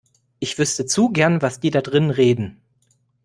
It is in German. Ich wüsste zu gern, was die da drinnen reden.